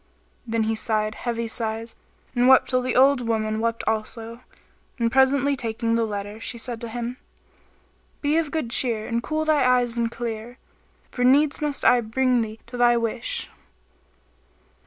Then he sighed heavy sighs and wept till the old woman wept also and presently taking the letter she said to him, "Be of good cheer and cool eyes and clear; for needs must I bring thee to thy wish."